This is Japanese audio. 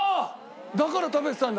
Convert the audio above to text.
だから食べてたんだ。